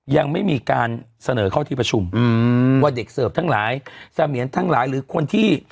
ยังไม่มีการเสนอเข้าที่ประชุมว่าเด็กเสิร์ฟทั้งหลายเสมียนทั้งหลายหรือคนที่